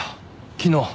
昨日。